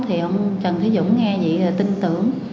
thì ông trần thúy dũng nghe vậy là tin tưởng